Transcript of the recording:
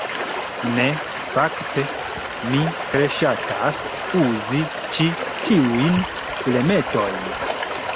Ne, fakte, mi tre ŝatas uzi ĉi tiujn filmetojn